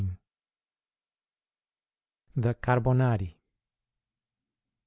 The Carbonari.